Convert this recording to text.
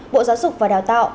bộ giáo dục và đào tạo